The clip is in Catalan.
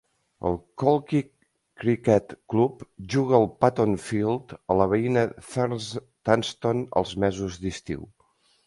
El Caldy Criquet Club juga al Paton Field a la veïna Thurstaston als mesos d'estiu.